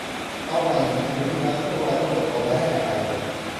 เอาล่ะ หญิงอันเป็นที่รัก พวกเราต้องอดทนและให้อภัยมัน